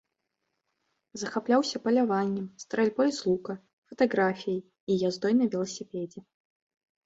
Захапляўся паляваннем, стральбой з лука, фатаграфіяй і яздой на веласіпедзе.